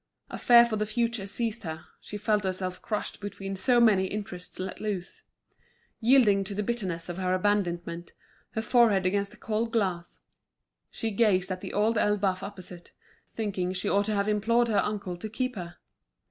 A fear for the future seized her, she felt herself crushed between so many interests let loose. Yielding to the bitterness of her abandonment, her forehead against the cold glass, she gazed at The Old Elbeuf opposite, thinking she ought to have implored her uncle to keep her.